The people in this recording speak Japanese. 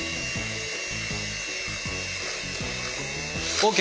ＯＫ。